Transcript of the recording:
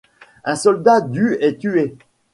Un soldat du est tué.